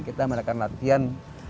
kita melakukan latihan